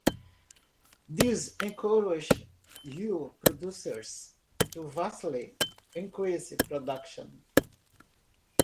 This encouraged wool producers to vastly increase production.